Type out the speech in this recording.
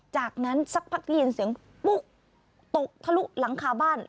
จากนั้นสักพักได้ยินเสียงปุ๊กตกทะลุหลังคาบ้าน